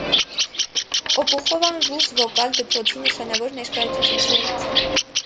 Օբուխովան ռուս վոկալ դպրոցի նշանավոր ներկայացուցիչներից է։